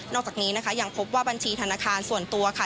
อกจากนี้นะคะยังพบว่าบัญชีธนาคารส่วนตัวค่ะ